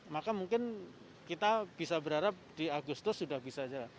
maka mungkin kita bisa berharap di agustus sudah bisa saja